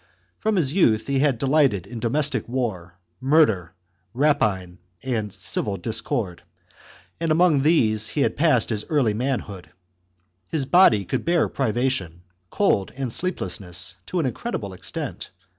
From his youth he had delighted in domestic war, murder, rapine, and civil discord, and among these he had passed his early manhood. His body could bear privation, cold, and sleepless ness, to an incredible extent.